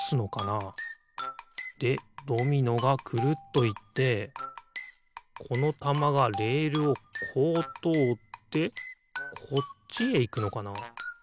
でドミノがくるっといってこのたまがレールをこうとおってこっちへいくのかな？